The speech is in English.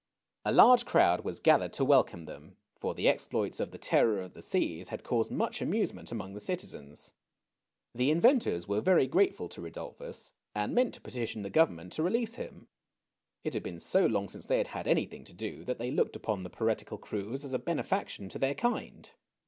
A large crowd was gathered to welcome them, for the exploits of the Terror of the Seas had caused much amusement among the citizens. The inventors were very grateful to Rudolphus, and meant to petition the Government to release him. It had been so long since they had had anything to do, that they looked upon the piratical cruise as a benefaction to their kind.